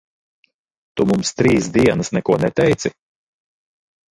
Tu mums trīs dienas neko neteici?